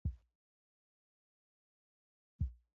په دې اړه څېړنه ډېره اړينه ده.